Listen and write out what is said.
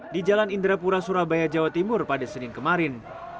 di jalan indrapura surabaya jawa timur pada senin kemarin